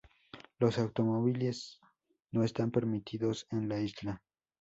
Los automóviles no están permitidos en la isla.